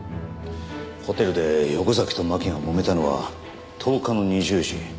ホテルで横崎と巻がもめたのは１０日の２０時。